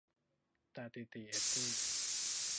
ตาตี่ตี่ เอตตี้